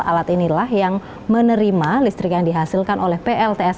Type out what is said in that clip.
alat inilah yang menerima listrik yang dihasilkan oleh plts